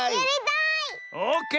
オーケー！